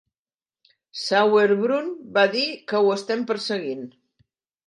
Sauerbrun va dir que ho estem perseguint.